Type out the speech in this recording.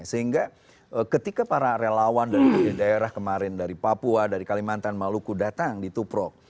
sehingga ketika para relawan dari daerah kemarin dari papua dari kalimantan maluku datang di tuprok